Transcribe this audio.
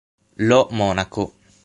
Lo Monaco